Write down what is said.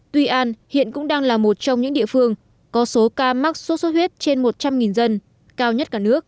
tuy an hiện cũng đang là một trong những địa phương có số ca mắc sốt xuất huyết trên một trăm linh dân cao nhất cả nước